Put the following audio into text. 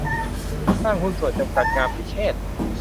ห้างหุ้นส่วนจำกัด งามพิเชษฐ์